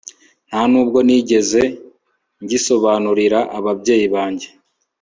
nta n'ubwo nigeze ngisobanurira ababyeyi banjye